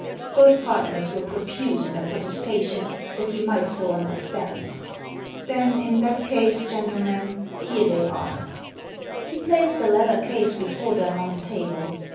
Both partners were pro fuse in their protestations that he might so under stand. "Then, in that case, gentlemen, here they are " He placed a leather case before them on the table.